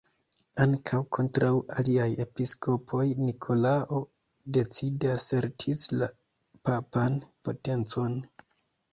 Ankaŭ kontraŭ aliaj episkopoj Nikolao decide asertis la papan potencon.